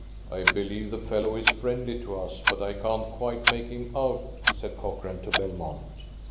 "I believe the fellow is friendly to us, but I can't quite make him out," said Cochrane to Belmont.